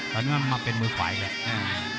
ตอนนี้มาเป็นมือขวาอีกแหละ